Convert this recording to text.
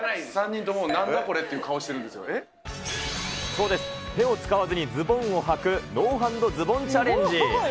そうです、手を使わずにズボンをはく、ノーハンドズボンチャレンジ。